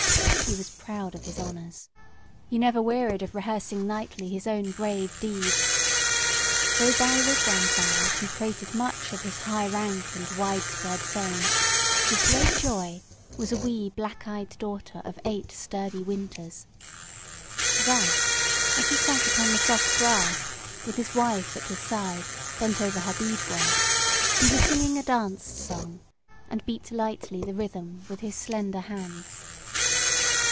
He was proud of his honors. He never wearied of rehearsing nightly his own brave deeds. Though by wigwam fires he prated much of his high rank and widespread fame, his great joy was a wee black eyed daughter of eight sturdy winters. Thus as he sat upon the soft grass, with his wife at his side, bent over her bead work, he was singing a dance song, and beat lightly the rhythm with his slender hands.